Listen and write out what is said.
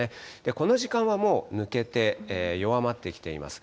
この時間はもう抜けて、弱まってきています。